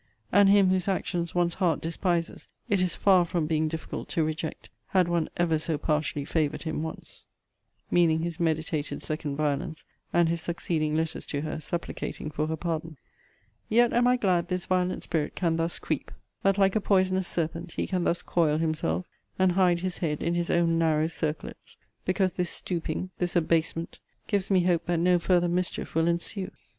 * and him whose actions one's heart despises, it is far from being difficult to reject, had one ever so partially favoured him once. * Meaning his meditated second violence (See Vol. VI. Letter XXXVI.) and his succeeding letters to her, supplicating for her pardon. Yet am I glad this violent spirit can thus creep; that, like a poisonous serpent, he can thus coil himself, and hide his head in his own narrow circlets; because this stooping, this abasement, gives me hope that no farther mischief will ensue.